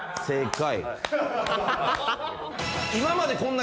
正解。